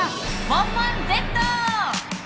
「モンモンＺ」。